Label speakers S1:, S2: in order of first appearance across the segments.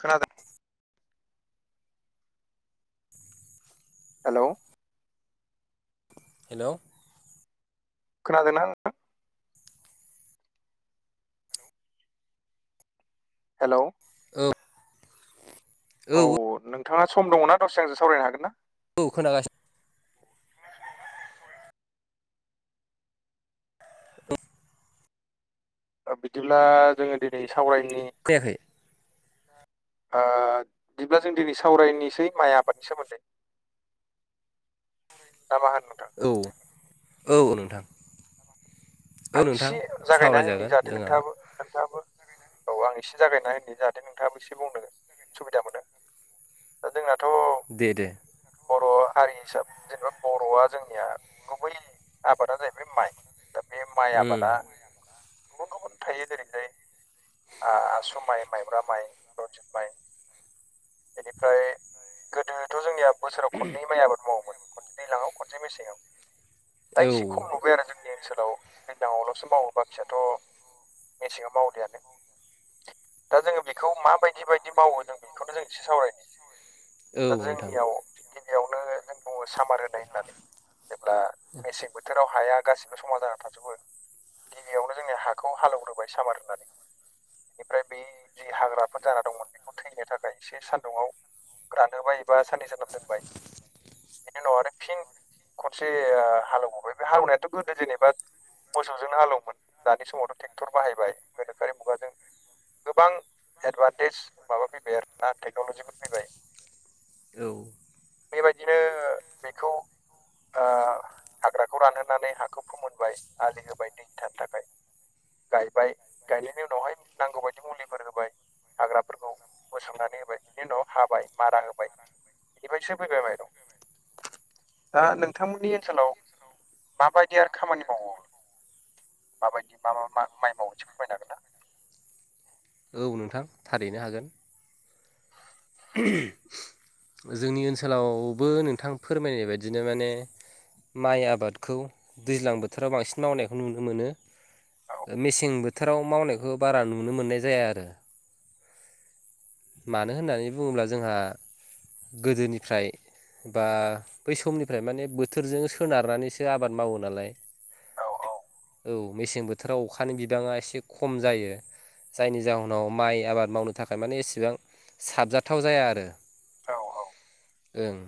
S1: खोनादो hello
S2: hello
S1: खोनादो ना हेलौ
S2: [unintelligible]
S1: औ नोंथाङा सम दङ' ना दसे आंजों सावरायनो हागोन ना?
S2: औ खोनागाससि
S1: ओ बिदिब्ला जोङो दिनै सावरायनि
S2: फैयाखै
S1: [inaudible] ओ दिब्ला जों दिनै सावरायनिसै माइ आबादनि सोमोन्दै दामा होन नोंथां
S2: औ औ नोंथां औ
S1: आं
S2: नोंथां
S1: इसे जागायना होनि
S2: सावरायजागोन
S1: जाथे
S2: जोंहा
S1: नोंथाङाबो - नोंथाङाबो औ आं एसे जागायना होनि जाहाथे नोंथाङाबो एसे बुंनो सुबिदा मोनो ओ जोङाथ'
S2: दे दे
S1: बर' हारि हिसाबै जेनेबा बर'आ जोंनिया गुबै आबादा जाहैबाय माइ दा बे माइ
S2: उम
S1: आबादा गुबुन-गुबुन थायो जेरैहाय आ-आसु माइ माइब्रा माइ रन्जित माइ बेनिफ्राय गोदोथ' जोंनिया बोसोराव खननै माइ आबाद मावोमोन खनसे दैलाङाव खनसे मेसेंआव दा
S2: औ
S1: एसे खम नुबाय आरो जोंनि ओनसोलाव दैलाङावल'सो मावो बाखियाथ' मेसेङाव मावदियानो दा जोङो बेखौ माबायदि बायदि मावो जों बेखौनो जों एसे सावरायनि
S2: औ
S1: दा
S2: नोंथां
S1: जोंनियावि गिबियावनो जों बुङो सामार होनाय होननानै। जेब्ला मेसें बोथोराव हाया गासिबो समाव जाना थाग थबो गिबियावनो जोंनि हाखौ हालेवग्रोबाय सामार होननानै बेनिफ्राय बे जि हाग्राफोर जाना दंमोन बेखौ थैनो थाखाय एसे सान्दुंआव रानहोबाय एबा साननै सानथाम दोनबाय बेनि उनाव आरो फिन खनसे हालेवबोबाय बे हालवनायाथ' गोदो जेनेबा मोसौजोंनो हालेवोमोन दानि समावथ' ट्रेक्टर बाहायबाय गोनोखोआरि मुगाजों गोबां एडभान्टेज माबा फैबाय आरोना टेक्न'लजिबो फैबाय
S2: औ।
S1: बेबायदिनो बेखौ ओ हाग्राखौ रानहोनानै हाखौ फोमोनबाय आलि होबाय दैथानो थाखाय गायबाय गायनायनि उनावहाय नांगौ बायदि मुलिफोर होबाय हाग्राफोरखौ बोस्रांनानै होबाय बिनि उनाव हाबाय मारा होबाय बेनिफ्रायसो फैबाय माइरं। दा नोंथांमोननि ओनसोलाव माबायदि आरो खामानि मावो? माबायदि मा-मा माइ मावो फोरमायनो हागोन ना?
S2: औ नोंथां थारैनो हागोन। जोंनि ओनसोलावबो नोंथां फोरमायनाय बायदिनो माने माइ आबादखौ दैज्लां बोथोराव बांसिन मावनायखौ नुनो मोनो।
S1: औ
S2: मेसें बोथोराव मावनायखौ बारा नुनो मोननाय जाया आरो। मानो होननानै बुङोब्ला जोंहा गोदोनिफ्राय बा बै समनिफ्राय माने बोथोरजों सोनारनानैसो आबाद मावो नालाय औ। मेसें बोथोराव अखानि बिबाङा एसे खम जायो। जायनि जाहोनाव माइ आबाद मावनो नि थाखाय माने एसेबां साबजाथाव जाया आरो
S1: औ औ।
S2: ओं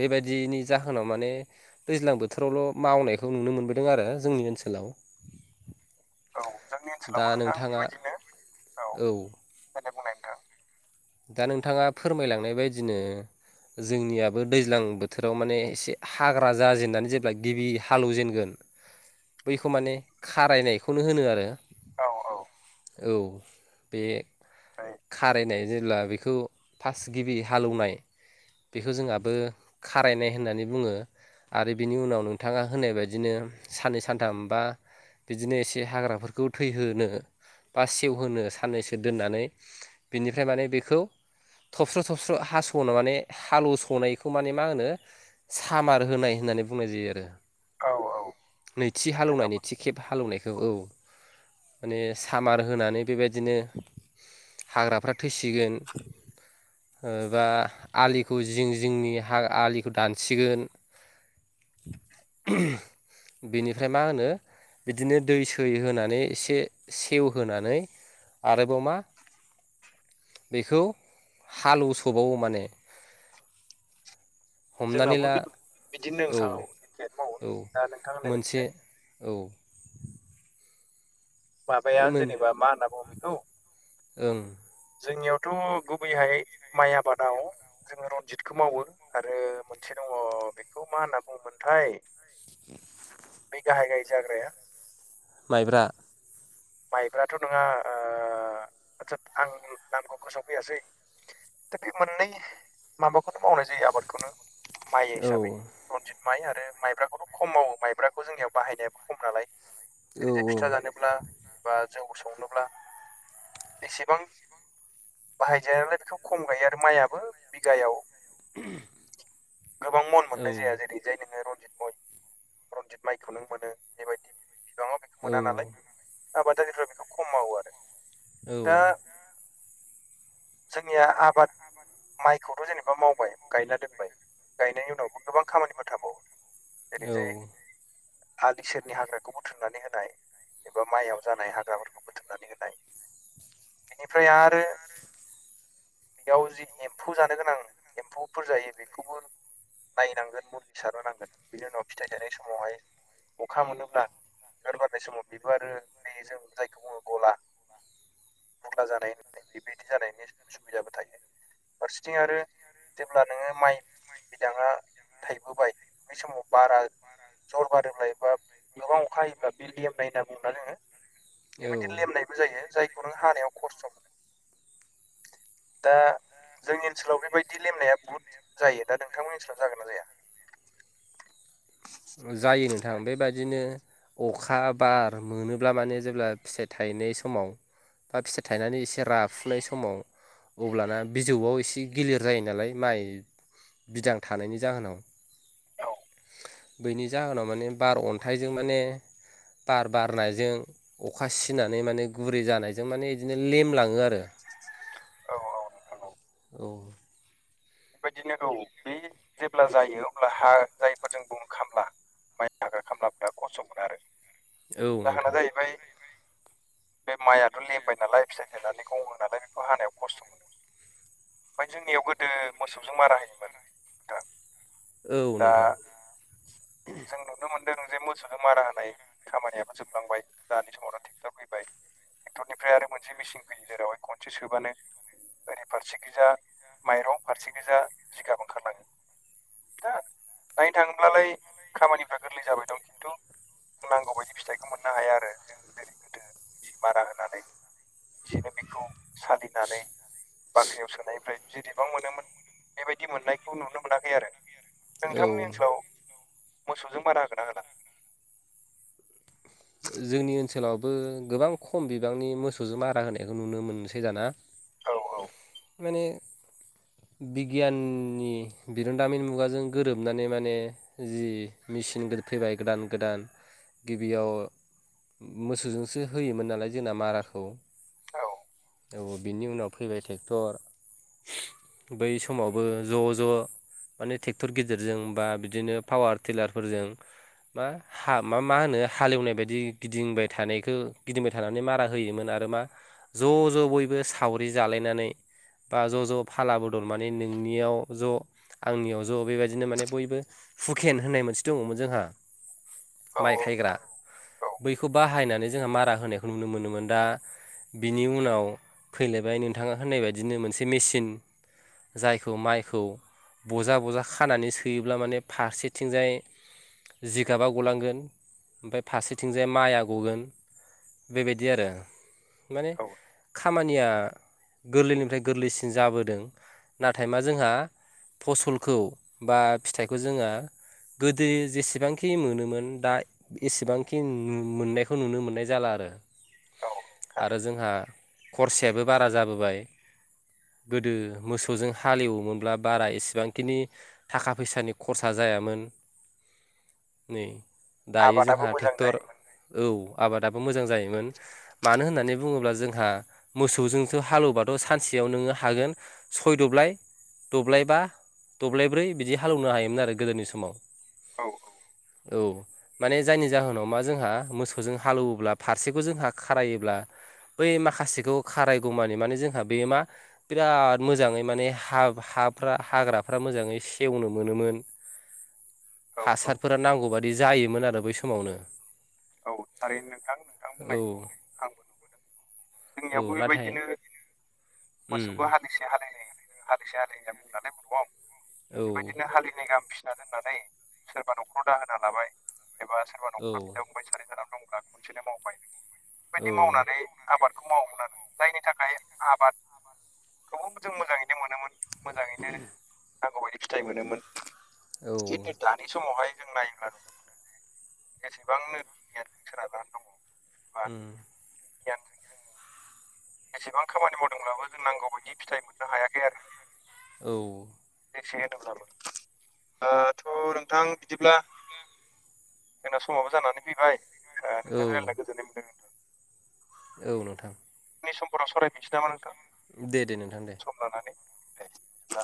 S2: बेबायदिनि जाहोनाव माने दैज्लां बोथोरावल' मावनायखौ नुनो मोनबोदों आरो जोंनि ओनसोलाव।
S1: औ जोंनि
S2: दा
S1: ओनसोलावबो नोंथां
S2: नोंथाङा
S1: बेबायदिनो औ। द बुंनाया नोंथां
S2: दा नोंथाङा फोरमायलांनाय बायदिनो जोंनियाबो दैज्लां बोथोराव माने एसे हाग्रा जाजेननानै जेब्ला गिबि हालौव जेनगोन बैखौ माने खारायनायखौनो होनो आरो
S1: औ औ।
S2: औ बे
S1: [unintelligible]
S2: खारायनाय जेला बेखौ फास गिबि हालेवनाय बेखौ जोंआबो खारायनाय होननानै बुङो। आरो बिनि उनाव नोंथाङा होनाय बायदिनो साननै सानथाम बा बिदिनो एसे हाग्राफोरखौ थैहोनो बा सेवहोनो साननैसो दोननानै बिनिफ्राय माने बेखौ थबस्र' थबस्र' हास'नो माने हाल'सनायखौ माने मा होनो सामार होनाय होननानै बुंनाय जायो आरो
S1: औ औ।
S2: नैथि हालेवनाय
S1: जोंनावबो
S2: नैथि खेब हालेवनायखौ औ। माने सामार होनानै बेबायदिनो हाग्राफ्रा थैसिगोन बा आलिखौ जिं जिंनि हा आलिखौ दानसिगोन [unintelligible] बेनिफ्राय मा होनो बिदिनो दै सै होनानै एसे सेवहोनानै आरोबाव मा बेखौ हालौवसबावो माने हमनानै
S1: जोंनाबो
S2: ला
S1: बिदिनो
S2: औ
S1: नथां
S2: औ मोनसे औ
S1: माबाया
S2: माने मोन
S1: जेनेबा मा होनना बुङो बेखौ
S2: ओं
S1: जोंनियावथ' गुबैहाय माइ आबादाव जोङो रनजितखौ मावो आरो मोनसे दङ बेखौ मा होनना बुङोमोनथाय
S2: [inaudible]
S1: बे गाहाय गाहाय जाग्राया
S2: माइब्रा
S1: माइब्राथ' नङा ओ ओ आदसाा आं नामखौ फोसावफैयासै दा बे मोननै माबाखौनो मावनाय जायो आबादखौनो माइ
S2: औ
S1: हिसाबै रनजित माइ आरो माइब्राखौथ' खम मावो माइब्राखौ जोंनियाव बाहायनायाबो खम नालाय
S2: औ
S1: ओरैजाय फिथा जानोब्ला एबा जौ संनोब्ला एसेबां बाहायजाया नालाय बेखौ खम गायो आरो माइयआो बिगायाव
S2: [unintelligible]
S1: गोबां मन
S2: औ
S1: मोननाय जाया जेरै जाय नोङो रनजित मय रनजित माइखौ नों मोनो बेबायदि बिबाङाव बेखौ
S2: औ
S1: मोना नालाय आबादारिफ्रा बेखौ खम मावो आरो दा
S2: औ
S1: जोंनिया आबाद माइखौथ' जेनेबा मावबाय गायना दोनबाय गायनायनि उनावबो गोबां खामानिफोर थाबावो ओरैजाय आलि सेरनि हाग्राखौ बुथुमनानै होनाय बा माइआव जानाय हाग्राफोरखौ बुथुमनानै होनाय बेनिफ्राय आरो बेयाव जि एम्फौ जानो गोनां एम्फौफोर जायो बेखौबो नायनांगोन मुलि सारहोनांगोन बिनि उनाव फिथाइ थायनाय समावहाय अखा मोनोब्ला बिबार बारनाय समाव बेबो आरो बे जों जायखौ बुङो गला बंला जानाय बेबायदि जानायनि सुबिदाबो थायो। फारसेथिं आरो जेब्ला नोङो माइ बिदाङा थाइबोबाय बै समाव बारा जर बारोब्ला एबा गोबां अखा हायोब्ला बिल्डियाम होननाय होनना बुंबला जोङो
S2: औ
S1: बेबायदि लेमनायबो जायो जायखौ नों हानायाव खस्थ' मोनो दा जोंनि ओनसोलाव बेबायदि लेनाया बुहुत जायो दा नोंथांमोन ओनसोलाव जागोन ना जाया?
S2: जायो नोंथां बेबायदिनो अखा बार मोनोब्ला माने जेब्ला फिथाइ थायनाय समाव बा फिसा थायनानै एसे राफुनाय समाव अब्लाना बिजौआव एसे गिलिर जायो नालाय माइ बिदां थानायनि जाहोनाव
S1: औ
S2: बैनि जाहोनाव माने बार अन्थाइजों माने बार बारनायजों अखा सिनानै माने गुरै जानायजों माने बिदिनो लेमलाङो आरो
S1: औ औ नोंथां औ
S2: औ
S1: बेबायदिनो औ बे जेब्ला जायो अब्ला हा जायफोरजों बुंनो खामला माइ खामलाफ खस्थ' मोनो आरो
S2: औ
S1: जाहोना
S2: नोंथां
S1: जाहैबाय बे माइआथ' लेमबाय नालाय फिथाइ थायनानै गं होनालाय बेखौ हानायाव खस्थ' मोनो ओमफफ्राय जोंनियाव गोदो मोसौजों मारा होयोमोन भुटान
S2: औ
S1: दा
S2: नोंथां
S1: जों नुनो मोनदों जे मोसौनो मारा होनाय खामानियाबो जोबलांबाय दानि समावनो ट्रेक्टर फैबाय ट्रेक्टरनिफ्राय आरो मोनसे मेसिन फैयो जेरावहाय खनसे सोबानो ओरै फारसेखिजा माइरं फारसेखिजा जिगाब ओंखारलांङो। दा दायो थाङोब्लालाय खामानिफ्रा गोरलै जाबाय दं खिन्थु जों नांगौ बायदि फिथाइखौ मोननो हाया आरो जों जेरै गोदो बिदि मारा होनानै बिदिनो बेखौ सालिनानै बाख्रियाव सोनायनिफ्राय जेसेबां मोनोमोन बेबायदि मोननायखौ नुनो मोनाखै आरो
S2: औ
S1: नोंथांमोननि ओनसोलाव मोसौजों बारा होगोन ना होला
S2: जोंनि ओनसोलावबो गोबां खम बिबांनि मोसौजों मारा होनायखौ नुनो मोनसै दाना
S1: औ औ
S2: माने बिगियाननि बिरोंदामिन मुगाजों गोरोबनानै माने जि मेचिन फैबाय गोदान गोदान गिबियाव मोसौजोंसो होयोमोन नालाय जोंना माराखौ
S1: औ
S2: औ बिनि उनाव फैबाय ट्रेक्टर बै समावबो ज' ज' माने ट्रेक्टर गेजेरजों बा बिदिनो पावार टिलारफोरजों मा हा मा होनो हालेवनाय बायदि बिदि गिदिंबाय थानायखौ गिदिंबाय थानानै मारा होयोमोन आरो मा ज' ज' बयबो सावरि जालायनानै बा ज' ज' फाला बदल माने नोंनियाव ज' आंनियाव ज' बेबायदिनो माने बयबो हुखेन होननाय मोनसे दङमोन जोंहा।
S1: औ
S2: माइ खायग्रा‌।
S1: नोंथां औ
S2: बैखौ बाहायनानै जोंहा मारा होनायखौ नुनो मोनोमोन दा बिनि उनाव फैलायबाय नोंथाङा होननाय बायदिनो मोनसे मेचिन। जायखौ माइखौ बजा बजा खानानै सोयोब्ला माने फारसेथिंजाय जिगाबा गलांगोन ओमफ्राय फारसे थिंजाय माइआ गगोन बेबायदि आरो माने
S1: औ
S2: खामानि निया गोरलैनिफ्राय गोरलैसिन जाबोदों नाथाय मा जोंहा फसलखौ बा फिथाइखौ जोङो। गोदो जेसेबांखि मोनोमोन दा एसेबां खिनि मोननायखौ नुनो मोननाय जाला आरो।
S1: औ
S2: आरो
S1: थारैनो
S2: जोंहा खरसायाबो बारा जाबोबाय। गोदो मोसौजों हालेवोमोनब्ला बारा एसेबांखिनि थाखा फैसानि खरसा जायामोन नै दायो
S1: आबादाबो
S2: जोंहा
S1: मोजां
S2: ट्रेक्टर
S1: जायोमोन
S2: औ आबादाबो मोजां जायोमोन मानो होननानै बुङोब्ला जोंहा मोसौजोंसो हालेवबाथ' सानसेयाव नोंङो हागोन सय दब्लाय दब्लाय बा दब्लाय ब्रै बिदि हालेवनो हायोमोन आरो गोदोनि समाव
S1: औ औ।
S2: औ माने जायनि जाहोनाव मा जोंहा मोसौजों हालेवोब्ला फारसेखौ जोंहा खारायोब्ला बै माखासेखौ खारायगौमानि माने जोंहा बेयो मा बिराद मोजाङै माने हा हाफ्रा हाग्राफ्रा मोजाङै सेवनो मोनोमोन।।।
S1: [inaudible] औ
S2: हासारफोरा नांगौ बादि जायोमोन आरो बै समावनो।
S1: औ थारैनो नोंथां। नों बुंनायखौ आं
S2: औ औ
S1: जोंनियावबो
S2: नाथाय
S1: बेबायदिनो
S2: उम
S1: मोसौखौ हालिसे हालिनै हालिसे हालि होनना बुंनानै
S2: औ
S1: [unintelligible] बेबायदिनो हालिनै गाहाम फिसिना दोननानै सोरबा न'खराव दाहोना लाबाय एबा सोर
S2: औ।
S1: फांबाय सानै साथाम दंब्ला खुनसेनो मावबाय बेबायदि
S2: औ।
S1: मावनानै आबादखौ माव नान जायनि थाखा खाय आबाद खौ जों मोजाङैनो मोनोमोन। मोजाङैनो नांगौबायायदि फिथाइ मोनोमोन
S2: औ
S1: खिन्थु दा नि समावहाय जों नायोब्ला गोबांनो बिगियानजों सोनारना दं।
S2: ओम
S1: जोङो एसेबां खामानि मावदोंब्लाबो जों नांगौ बायदि फिथाइ मोननो हायाखै आरो।
S2: औ।
S1: बेसे होनोब्लाबो दाथ' नोंथां बिदिब्ला जोंना समावबो जानानै फैबाय ओ नोंथाङा
S2: औ
S1: जों रायल्जायना गोजोनाय मोनदों। नोंथां
S2: औ नोंथां।
S1: नि समफोराव सावरायफिनसै नामा नोंथां।
S2: दे-दे नोंथां दे।
S1: सम लानानै दे बिदिब्ला